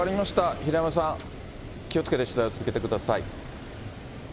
平山さん、気をつけて取材を続けてください。